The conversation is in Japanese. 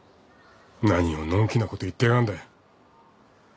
何をのんきなこと言ってやがんだよ。